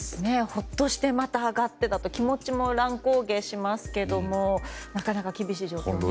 ほっとしてまた上がってだと気持ちも乱高下しますがなかなか厳しい状況ですね。